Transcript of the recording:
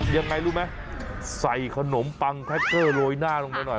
ยังไงรู้ไหมใส่ขนมปังแท็กเกอร์โรยหน้าลงไปหน่อย